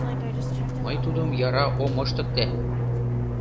Мый тудым яра ом ыштыкте...